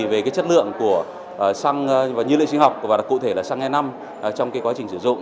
về cái chất lượng của xăng nhiên lượng sinh học và cụ thể là xăng e năm trong cái quá trình sử dụng